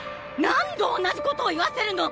何度同じことを言わせるの！